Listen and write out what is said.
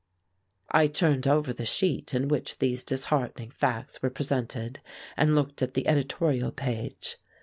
I turned over the sheet in which these disheartening facts were presented and looked at the editorial page.